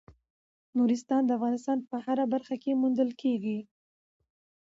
نورستان د افغانستان په هره برخه کې موندل کېږي.